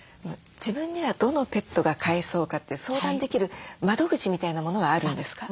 自分にはどのペットが飼えそうかって相談できる窓口みたいなものはあるんですか？